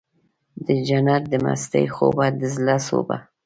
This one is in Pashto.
دجنت د مستۍ خوبه د زړه سوبه